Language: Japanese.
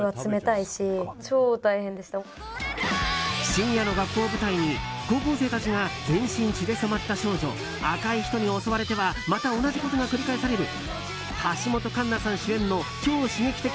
深夜の学校を舞台に高校生たちが全身、血で染まった少女赤い人に襲われてはまた同じことが繰り返される橋本環奈さん主演の超刺激的